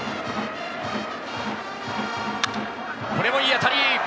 これもいい当たり！